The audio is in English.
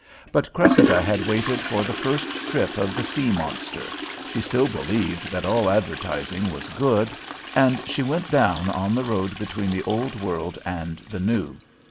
But Cressida had waited for the first trip of the sea monster she still believed that all advertising was good and she went down on the road between the old world and the new.